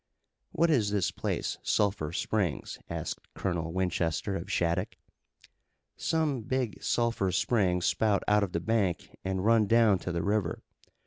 "What is this place, Sulphur Springs?" asked Colonel Winchester of Shattuck. "Some big sulphur springs spout out of the bank and run down to the river.